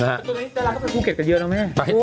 ตัวนี้จริงก็เป็นภูเกตกันเยอะนะแม่